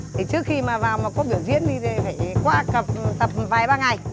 thì trước khi mà vào mà có biểu diễn đi thì phải qua tập vài ba ngày